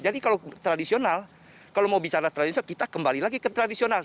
jadi kalau tradisional kalau mau bicara tradisional kita kembali lagi ke tradisional